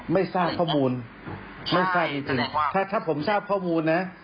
ไม่สร้างจุดถ้าผมชอบข้อมูลนะ